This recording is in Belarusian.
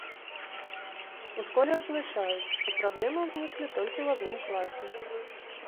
У школе адзначаюць, што праблемы ўзніклі толькі ў адным класе.